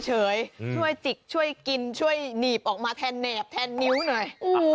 ช่วยจิกช่วยกินช่วยหนีบออกมาแทนแหนบแทนนิ้วหน่อย